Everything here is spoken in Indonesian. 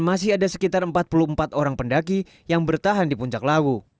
masih ada sekitar empat puluh empat orang pendaki yang bertahan di puncak lawu